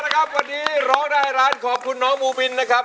ครับตอนนี้ร้องได้ให้ร้านขอบคุณณมูอินนะครับ